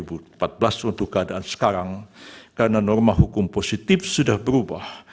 dua ribu empat belas untuk keadaan sekarang karena norma hukum positif sudah berubah